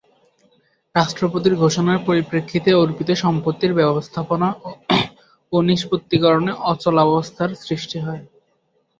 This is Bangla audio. রাষ্ট্রপতির ঘোষণার পরিপ্রেক্ষিতে অর্পিত সম্পত্তির ব্যবস্থাপনা ও নিষ্পত্তিকরণে অচলাবস্থার সৃষ্টি হয়।